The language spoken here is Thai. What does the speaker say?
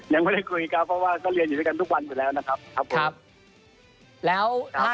ยังไม่ได้คุยกันเพราะว่าก็เรียนอยู่ด้วยกันทุกวันหมดแล้วนะครับ